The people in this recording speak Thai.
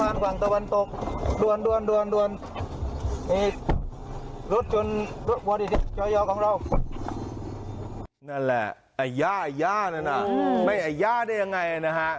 นั่นแหละอายะอายะนั่นน่ะไม่อายะได้ยังไงนะฮะ